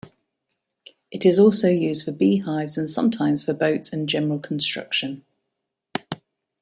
It is also used for beehives, and sometimes for boats and general construction.